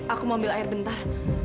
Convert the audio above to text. aku mau ambil air bentar